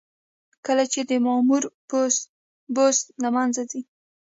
کله چې د مامور بست له منځه ځي.